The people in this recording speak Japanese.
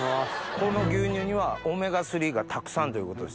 この牛乳にはオメガ３がたくさんということですよね？